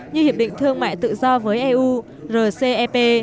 như hiệp định thương mại tự do với eu rcep